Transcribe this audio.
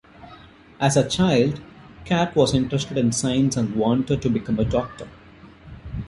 As a child, Catt was interested in science and wanted to become a doctor.